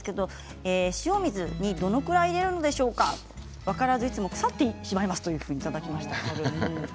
塩水にどのぐらい入れるのでしょうか分からずいつも腐ってしまいますといただきました。